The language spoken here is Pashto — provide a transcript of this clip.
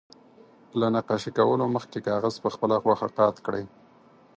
له نقاشي کولو مخکې کاغذ په خپله خوښه قات کړئ.